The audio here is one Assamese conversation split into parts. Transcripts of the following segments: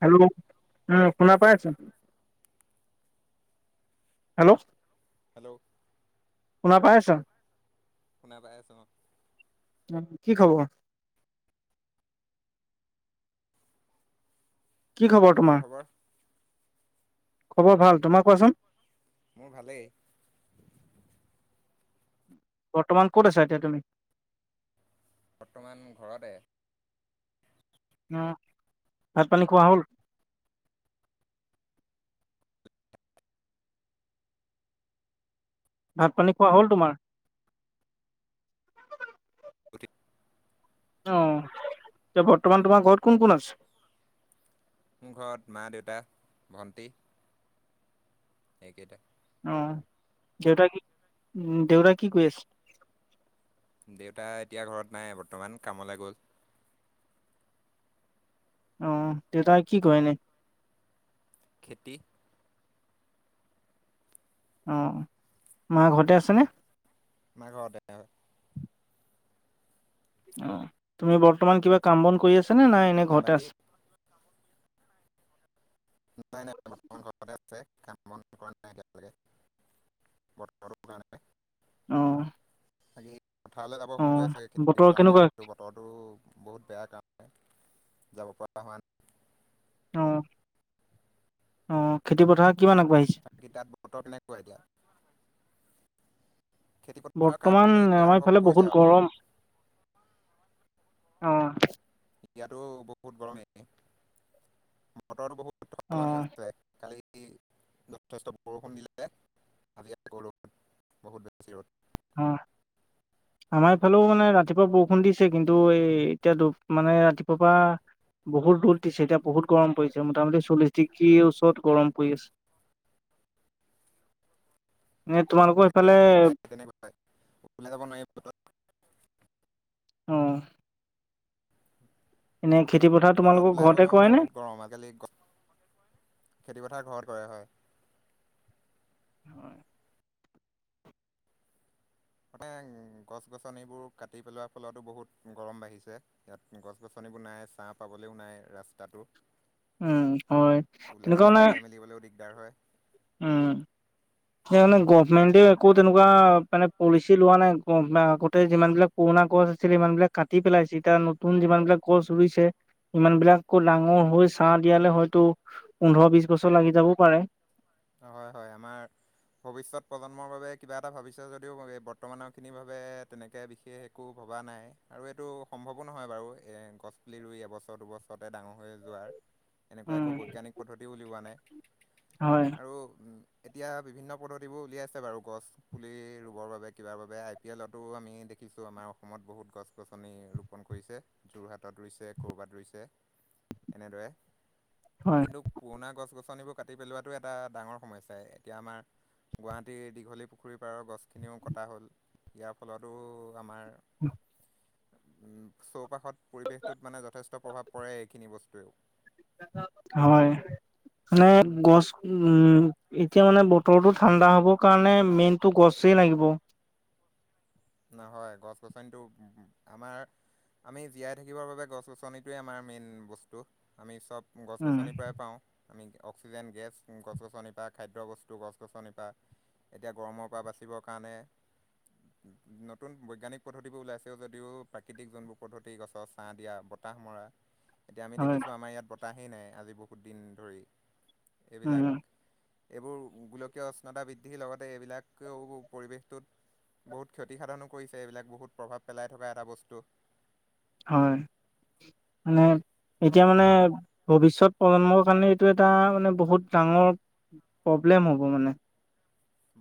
হেল্ল' উম। শুনা পাই আছোঁ হেল্ল' হেল্ল' শুনা পাই আছা? শুনা পাই আছো অ', উ কি খবৰ? কি খবৰ তোমাৰ, খবৰ ভাল তোমাৰ কোৱাচোন। মোৰ ভালেই। বৰ্তমান ক'ত আছা এতিয়া তুমি? বৰ্তমান ঘৰতে। অ। ভাত পানী খোৱা হ'ল? ভাত পানী খোৱা হ'ল তোমাৰ? অ। এ বৰ্তমান তোমাৰ ঘৰত কোন কোন আছে? মোৰ ঘৰত মা, দেউতা, ভণ্টী এই কেইটা অ দেউতা কি, উ দেউতৰা কি কৈছ দেউতা এতিয়া ঘৰত নাই বৰ্তমান কামলৈ গ'ল। আহ। দেউতা কি কয় খেতি। অ মা ঘৰতে আছেনে? নাই ঘ দো হয় [unintelligible] অ। তুমি বৰ্তমান কিবা কাম বন কৰি আছা নে নাই এনে ঘৰতে বাকী আছা? নাই-নাই বৰ্তমান ঘৰতে আছে, কাম বন কৰা নাই একতিয়ালকে। বতৰ কাৰানে [unintelligible] আহ। আজি পথাৰলৈ যাব হৈ আছেগে খেতি পথাৰলৈ কেনেকুৱা কিন্তু বতৰতো বহুত বেয়া কাম যাব পৰা হোৱা নাই। অ- অ খেতি পথাৰ কিমান আগবাঢ়িছে বাকী তাত বতৰ কেনেকুৱা এতিয়া? খেতি পথাৰৰ কাম বৰ্তমান আমাৰ আৰম্ভ ইফালে কৰিছে বহুত আৰু গৰম। আহ। ইয়াতো বহুত গৰম মটৰো বহুত সলনি অ হৈছে কালি [unintelligible] যথেষ্ট বৰষুণ দিলে, আজি আকৌ ৰদ বহুত বেছি ৰদ অ' আমাৰ এইফালেও মানে ৰাতিপুৱা বৰষুণ দিছে, কিন্তু এই এতিয়া মানে ৰাতিপুৱাৰ পৰা বহুত ৰ'দ ছে এতিয়া বহুত গৰম পৰিছে। মোটামুটি চল্লিশ ডিগ্ৰীৰ ওচৰত গৰম পৰি আছে। এ তোমালোকৰ নহয় সেইফালে ইয়াতো [unintelligible] অ' এনে খেতি পথাৰ বাটত তোমালোকৰ ওলাই ঘৰতে কৰে নে? খেতিপথাৰ ঘৰত কৰে হয়। হয়। মানে গছ-গছনিবোৰ কাটি পেলোৱাৰ ফলতো বহুত গৰম বাঢ়িছে। ইয়াত গছ গছনি নাই। চাহ পাবলৈও নাই ৰাস্তাটো। উ, হয় ওলাই তেনেকুৱা মানে যাবলৈ মেলিবলৈও দিগদাৰ হয় উম, সেই মানে গভমেন্টে একো তেনেকুৱা মানে পলিচি লোৱা নাই, আগতে যিমান বিলাক পুৰনা গছ আছিল সিমান বিলাক কাটি পেলাইছে, এতিয়া নতুন যিমান বিলাক গছ ৰুছে ইমান বিলাক আকৌ ডাঙৰ হৈ ছাহ দিয়ালে হয়তো পোন্ধৰ বিশ বছৰ লাগি যাবও পাৰে। হয়-হয় আমাৰ ভৱিষ্যত প্ৰজন্মৰ বাবে কিবা এটা ভাবিছে যদিও, বৰ্তমানৰ খিনিৰ বাবে তেনেকে বিশেষ একো ভবা নাই আৰু এইটো সম্ভৱো নহয় বাৰু, এ গছ পুলি ৰুই এবছৰ-দুবছৰতে ডাঙৰ হৈ যোৱাৰ। এনেকুৱা উম। একো বৈজ্ঞানিক পদ্ধতি উলিওৱা নাই। হয়। আৰু উ এতিয়া বিভিন্ন পদ্ধতিবোৰ উলিয়াইছে বাৰু, গছ পুলি ৰুবৰ বাবে কিবা বাবে আই পি এ তাতো আমি দেখিছো আমাৰ অসমত বহুত গছ গছনি ৰোপন কৰিছে, যোৰহাটত ৰুইছে কৰ'বাত ৰুইছে এনেদৰে, হয়, কিন্তু পুৰণা গছ গছনিবোৰ কাটি পেলোৱাটো এ এটা ডাঙৰ সমস্যা, এতিয়া আমাৰ গুৱাহাটীৰ দীঘলী পুখুৰীৰ পাৰৰ গছখিনিও কটা হ'ল, ইয়াৰ ফলতো আমাৰ উ চৌপাশত পৰিৱেশটোত মানে যথেষ্ট প্ৰভাৱ পৰে এইখিনি বস্তুৱেও। হয়। মানে গছ, উম। এতিয়া মানে বতৰটো ঠাণ্ডা হোবৰ কাৰণে মেইনতটো গছ লাগিব। নহয় গছ গছনিতো আমাৰ আমি জীয়াই থাকিবৰ বাবে গছ-গছনিটোৱে আমাৰ মেইন বস্তু। আমি চব গছ উম, গছনিৰ পৰাই পাওঁ। আমি অক্সিজেন গেছ, গছ গছনি পৰা খাদ্য বস্তু, গছ গছনি পৰা এতিয়া গৰমৰ পৰা বাচিবৰ কাৰণে নতুন বৈজ্ঞানিক পদ্ধতিবোৰ ওলাইছেও যদিও প্ৰাকৃতিক যোনবোৰ পদ্ধতি গছৰ ছাহ দিয়া, বতাহ মৰা [unintelligible] এতিয়া আমি দেখিছোঁ আমাৰ ইয়াত বতাহেই নাই, আজি বহুত দিন ধৰি এইবিলাক উম, এইবোৰ গোলকীয় উষ্ণতা বৃদ্ধিৰ লগতে এইবিলাকেও পৰিৱেশটোত বহুত ক্ষতিসাধনো কৰিছে, এইবিলাক বহুত প্ৰভাৱ পেলাই থকা এটা বস্তু। হয়। মানে এতিয়া মানে ভৱিষ্যত অ' জন্মৰ কাৰণে এইটো এটা মানে বহুত ডাঙৰ প্ৰব্লেম হ'ব মানে।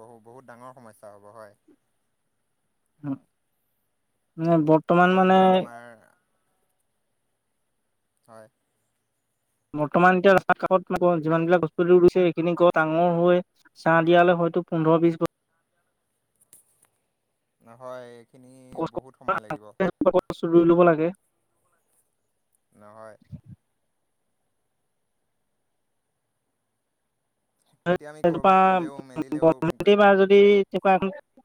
বহু-বহুত ডাঙৰ সমস্যা হ'ব হয়। মান বৰ্তমান আগৰ মানে দিনত আমাৰ হয়। বৰ্তমান এতিয়া ৰাস্তৰ কাষত যিমান বিলাক গছপুলি ৰুইছে সেইখিনিক ডাঙৰ হৈ ছাঁহ দিয়ালে হয়তো পোন্ধৰ বিশ বছৰ হয়। এইখিনি বহুত সময় লাগিব। গছ ৰুই ল'ব লাগে। নহয়। এতিয়া আমি ৰাজোপা ক'ৰবাত গ'লেও ব মেলিলেও বা যদি তেকা এখন [unintelligible]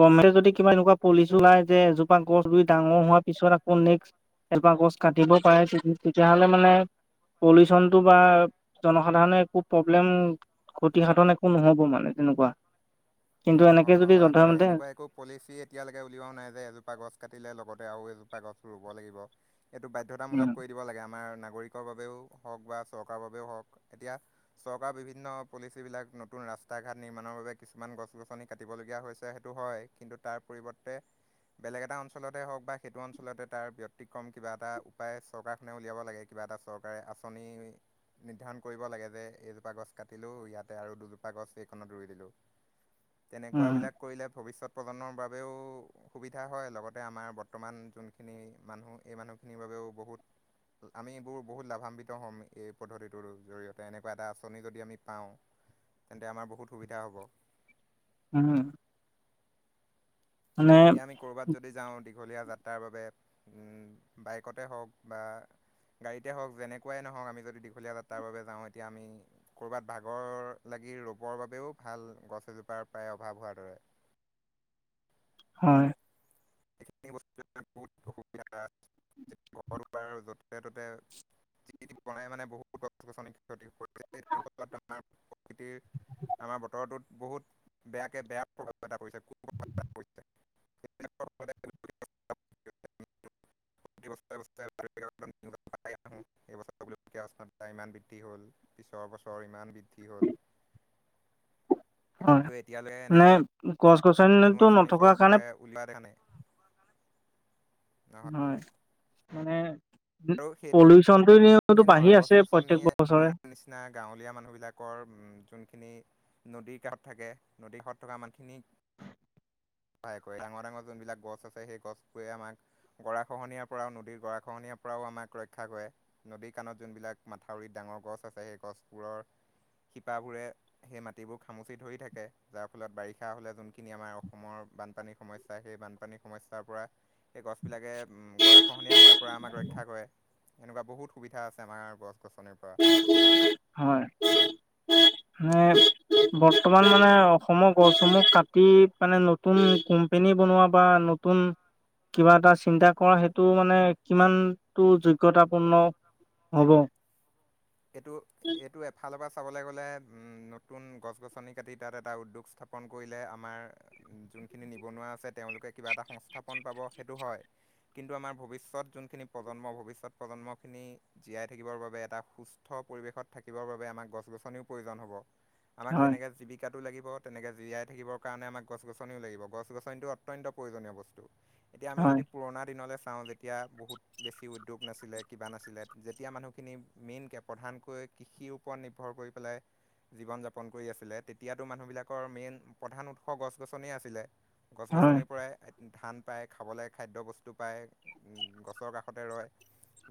গভমেণ্টে যদি কিবা এনেকুৱা পলিচি ওলাই, যে এজোপা গছ ডাঙৰ হোৱাৰ পিছত আকৌ নেক্স এলপা গছ কাটিব পাৰে, তেতিয়াহলে মানে পলিউচন টো বা জনসাধাৰণে একো ক্ষাধন একো নহব মানে তেনেকুৱা। কিন্তু অ' এনেকে হ- মানে অ' হয় হয় তেনেকুৱা এনেকুৱা একো পলিচি এতিয়ালৈকে উলিয়া নাই যে, এজোপা গছ কাটিলে লগতে আৰু এজোপা গছ ৰুব লাগিব। এইটো বাধ্যতামূলক উম কৰি দিব লাগে আমাৰ নাগৰিকৰ বাবেও হওক বা, চৰকাৰৰ বাবেও হওক, এতিয়া চৰকাৰ বিভিন্ন পলিচ বিলাক নতুন ৰাস্তা ঘাট নিৰ্মাণৰ বাবে কিছুমান গছ গছনি কাটিবলগীয়া হৈছে, সেইটো হয়। কিন্তু তাৰ পৰিৱৰ্তে বেলেগ এটা অঞ্চলতে হওক বা সেইটো অঞ্চলতে তাৰ ব্যতিক্ৰম কিবা এটা উপায় চৰকাৰখনে উলিয়াব লাগে। কিবা কিবা এটা চৰকাৰে আঁচনি নিৰ্ধাৰণ কৰিব লাগে যে এইজোপা গছ কাটিলো ইয়াতে আৰু দুজোপা গছ এইখনত ৰুই দিলো। উ তেনেকুৱা বিলাক কৰিলে ভৱিষ্যত প্ৰজন্মনৰ বাবেও সুবিধা হয়। লগতে আমাৰ বৰ্তমান যোনখিনি মানুহ এই মানুহখিনিৰ বাবে আমি এইবোৰ বহুত লাভান্বিত হ'ম। এই পদ্ধতিটোৰ জৰিয়তে এনেকুৱা এটা আঁচনি যদি আমি পাওঁ। তেন্তে আমাৰ বহুত সুবিধা হ'ব। উম। মানে এতিয়া আমি কৰবাত যদি যাও দীঘলীয়া যাত্ৰাৰ বাবে বাইকতে হওক বা গাড়ীতে হওক যেনেকুৱাই নহওক। আমি যদি দীঘলীয়া যাত্ৰাৰ বাবে যাওঁ এতিয়া আমি কৰবাত ভাগৰ ল কি ৰোপৰ বাবেও ভাল গছ এজোপাৰ প্ৰায় অভাৱ হোৱাৰ দৰে। হয়। সখিন বস্ত বহুত অসুবিধা ব [unintelligible] বাৰু য'তে ত'তে য বনাই মানে বহুত গছ গছনি ক্ষতি কৰি আমাৰ প্ৰকৃতিৰ আমাৰ বতৰটোত বহুত বেয়াকে বেয়া প্ৰভাৱ এটা পৰিছে কু প্ৰভাৱ পৰিছে। [unintelligible] ব্ [unintelligible] উষ্ণা ইমান বৃদ্ধি হ'ল পিছৰ বছৰ ইমান বৃদ্ধি হ'ল অ ন ক [unintelligible] ইয়াৰ কোনো আঁচনি চৰকাৰে ওলোৱা দেখ নাই। নহয় হয় মানে পলিউচনটো এনেওতো এইেই বাঢ়ি নহয় গছ আছে প্ৰত্যেক গছনিয়ে বছৰে আমাৰ নিচিনা গাঁৱলীয়া মানুহ বিলাকৰ উ যোন মান খিনি নদীৰ কাষত থাকে নদীৰ কাষত থকা মানুহখিনি সহায় কৰে ডাঙৰ ডাঙৰ যোনবিলাক গছ আছে সেই গছ বোৰে আমাক গৰাখহনীয়াৰ পৰাওঁ নদীৰ গৰাখহনীয়াৰ পৰা আমাক ৰক্ষা কৰে। নদী কাণত যোনবিলাক মাথাউৰিত ডাঙৰ গছ আছে সেই গছবোৰৰ শিপাবোৰে সেই মাটিবোৰ খামুচি ধৰি থাকে যাৰ ফলত বাৰিষা হলে যোনখিনি আমাৰ অসমৰ বানপানী সমস্যা, সেই বানপানী সমস্যাৰ পৰা সেই গছবিলাকে গৰাখহনীয়া হোৱাৰ পৰা আমাক ৰক্ষা কৰে। এনেকুৱা বহুত সুবিধা আছে। আমাৰ গছ গছনিৰ পৰা হয় মানে [unintelligible] বৰ্তমান মানে অসমৰ গছসমূহ কাটি মানে নতুন কোম্পেনী বনোৱা বা নতুন কিবা এটা চিন্তা কৰা সেইটো মানে কিমানটো যোগ্যতাপূৰ্ণ হ'ব। এইটো এইটো এফালৰ পৰা চাবলৈ গ'লে উম নতুন গছ গছনি কাটি তাত এটা উদ্যোগ স্থাপন কৰিলে আমাৰ যোনখিনি নিবনুৱা আছে তেওঁলোকে কিবা এটা সংস্থাপন পাব সেইটো হয়। কিন্তু আমাৰ ভৱিষ্যত যোনখিনি প্ৰজন্ম ভবিষ্যত প্ৰজন্ম ন্ম খিনি জীয়াই থাকিবৰ বাবে এটা সুস্থ স্থ পৰিৱেশত থাকিব বাবে আমাক গছ গছনি প্ৰয়োজন হ'ব। আমাক হয় যেনেকে জীৱিকা তো লাগিব, তেনেকে জীয়াই থাকিবৰ কাৰণে আমাক গছ গছনিও লাগিব, গছ গছনিটো অত্যন্ত প্ৰয়োজনীয় বস্তু। এতিয়া আমি হয় যদি পুৰণা দিনলৈ যেতিয়া বহুত বেছি উদ্যোগ নাছিলে, কিবা নাছিলে যেতিয়া মানুহখিনি মেইন কে প্ৰধানকৈ কৃষিৰ ওপৰত নিৰ্ভৰ কৰি পেলাই জীৱন যাপন কৰি আছিলে তেতিয়াতো মানুহবিলাকৰ মেইন প্ৰধান উৎস গছ গছনে আছিলে। গছ হয় গছনিৰ পৰাই ধান পায় খাবলৈ খাদ্য বস্তু পায়, গছৰ কাষতে ৰয়।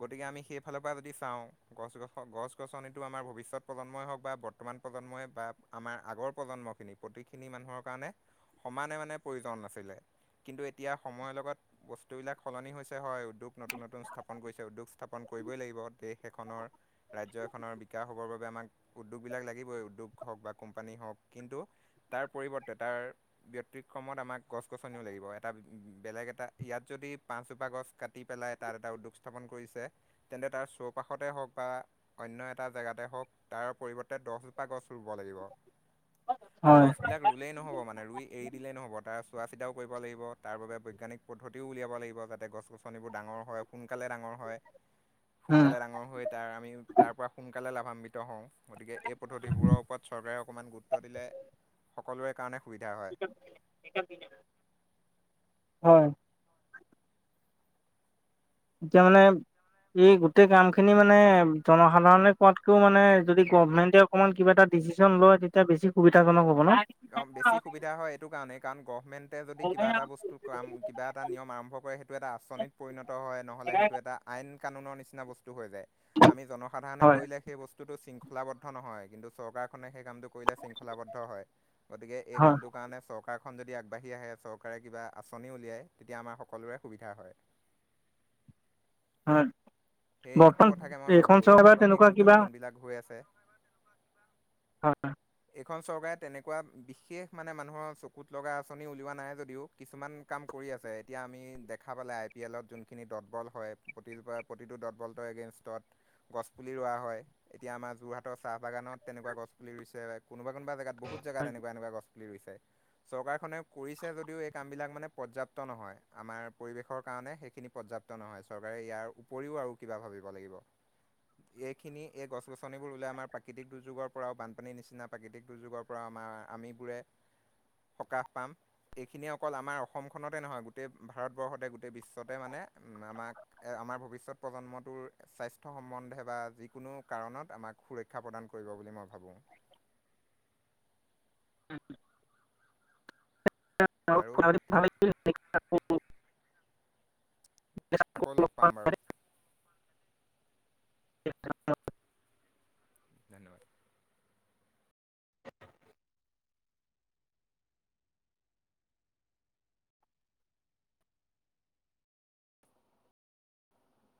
গতিকে আমি সেইফালৰ পৰা যদি চাওঁ গছ গছ গছ গছনিতটো আমাৰ ভৱিষ্যত প্ৰজন্মই হওক বা বৰ্তমান প্ৰজন্মই বা আমাৰ আগৰ প্ৰজন্মখিনি। গোটেইখিনি মানুহৰ কাৰণে সমানে মানে প্ৰয়োজন নাছিলে, কিন্তু এতিয়া সময়ৰ লগত বস্তুবিলাক সলনি হৈছে হয়। উদ্যোগ নতুন নতুন স্থাপন কৰিছে, উদ্যোগ স্থাপন কৰিবই লাগিব। দেশ এখনৰ ৰাজ্য এখনৰ বিকাশৰ বাবে উদ্যোগ বিলাক লাগিবৈ। উদ্যোগ হ'ওক বা কোম্পানী হ'ওক কিন্তু তাত তাৰ পৰিৱৰ্তে তাৰ ব্যতিক্ৰমত আমাক গছ গছনিও লাগিব। এটা বেলেগ এটা ইয়াত যদি পাঁচজোপা গছ কাটি পেলাই তাত এটা উদ্যোগ স্থাপন কৰিছে তেন্তে তাৰ চৌপাশতে হওঁক বা অন্য এটা জেগাতে হওঁক তাৰ পৰিৱৰ্তে দহজোপা গছ ৰুব লাগিব। আৰু হয় গছ বিলাক ৰুলেই নহ'ব মানে ৰুই এৰি দিলেই নহ'ব তাৰ চোৱা চিতাও কৰিব লাগিব, তাৰ বাবে বৈজ্ঞানিক পদ্ধতিও উলিয়াব লাগিব, যাতে গছ গছনিবোৰ ডাঙৰ হয়। সোনকালে ডাঙৰ হয়। উম সোনকালে ডাঙৰ হৈ তাৰ আমি তাৰ পৰা সোনকালে লাভান্বিত হওঁ, গতিকে এই পদ্ধতিবোৰৰ ওপৰত চৰকাৰে অকণমান গুৰুত্ব দিলে সকলোৰে কাৰণে সুবিধা হয়। হয়। যে মানে। এই গোটেই কাম খিনি মানে জনসাধাৰণে কোৱাতকেও মানে যদি গভমেন্টে অকমান কিবা এটা ডিচিশন লয় তেতি বছি সুবিধাজন অ বেছি সুবিধা হয় এইটো কাৰণে কাৰণ গভমেণ্টে যদি কিবা এটা হয় বস্তু কাম কিবা এটা নিয়ম আৰম্ভ কৰে, সেইটো এটা আঁচনিত পৰিণত হয় নহ'লে সেইটো এইটো এটা আইন কানুনৰ নিচিনা বস্তু হৈ যায়, আমি জনসাধাৰণে হয় কৰিলে সেই বস্তুটো শৃংখল শৃংখলাবদ্ধ নহয়, কিন্তু চৰকাৰখনে সেই কামটো কৰিলে শৃংখলাবদ্ধ হয়। গতিকে এই কামটো কাৰণে চৰকাৰ খন যদি আগবাঢ়ি আহে চৰকাৰে কিবা আঁচনিও উলিয়াই তেতিয়া আমাৰ সকলোৰে সুবিধা হয়। হয় সেইটো বৰ্তমান কথাকে মই ভাবো, এইখন এই চৰকাৰ প্ৰাকৃতিক তেনেকুৱা কিবা দুৰ্যোগ যোনবিলাক হৈ আছে। হয়। এইখন চৰকাৰে তেনেকুৱা বিশেষ মানে মানুহৰ চকুত লগা আঁচনি উলিওৱা নাই যদিও কিছুমান কাম কৰি আছে এতিয়া আমি দেখা পালে আই পি এলত যোনখিনি ডটবল হয় প্ৰতি প্ৰতিটো দটবলটো এগেনষ্টত। গছ পুলি ৰোৱাা হয়, এতিয়া আমাৰ যোৰহাটৰ চাহ বাগানত তেনেকুৱা গছ পুলি ৰুইছে। কোনোবা কোনোবা জগাত, বহুত জগাত এনেুৱ এুৱা গছুলি ৰুইছে। চৰকাৰখনে কৰিছে যদিও এই কাম বিলাক মানে পৰ্যাপ্ত নহয়, আমাৰ পৰিবেশৰ কাৰণে সেইখিনি পৰ্যাপ ৰ্যাপ্ত নহয় চৰকাৰে ইয়াৰ উপৰিও আৰু কিবা ভাবিব লাগিব। এইখিনি এই গছ-গছনিবোৰ ওলাই আমাৰ প্ৰাকৃতিক দুৰ্যোগৰ পৰাও বানপানী নিচিনা প্ৰাকৃতিক দুৰ্যোগৰ পৰাও। আমাৰ আমিবোৰে সকাহ পাম। এইখিনিয়ে অকল আমাৰ অসমখনতে নহয় গোটেই ভাৰতবৰ্ষতে গোটেই বিশ্বতে মানে উম আমাক আমাৰ ভৱিষ্যত। প্ৰজন্মটোৰ স্বাস্থ্য সম্বন্ধে বা যিকোনো কাৰণত আমাক সুৰক্ষা প্ৰদান কৰিব বুলি মই ভাবোঁ। [inaudible] বাৰু ঠিক [unintelligible] [inaudible] আকৌ লগ পাম বাৰু। ধন্যবাদ।